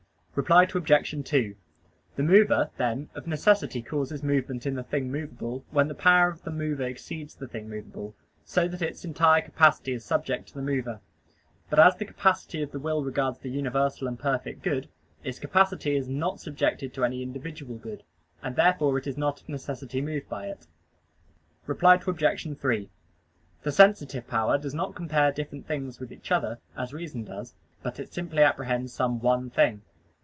Reply Obj. 2: The mover, then, of necessity causes movement in the thing movable, when the power of the mover exceeds the thing movable, so that its entire capacity is subject to the mover. But as the capacity of the will regards the universal and perfect good, its capacity is not subjected to any individual good. And therefore it is not of necessity moved by it. Reply Obj. 3: The sensitive power does not compare different things with each other, as reason does: but it simply apprehends some one thing.